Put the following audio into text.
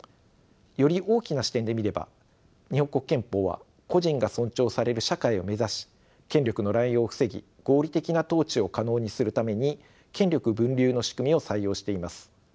より大きな視点で見れば日本国憲法は個人が尊重される社会を目指し権力の乱用を防ぎ合理的な統治を可能にするために権力分立の仕組みを採用しています。